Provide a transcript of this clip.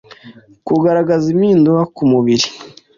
kugaragaza impinduka ku mubiri